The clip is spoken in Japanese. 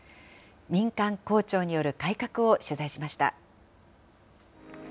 民間校長による改革を取材しまし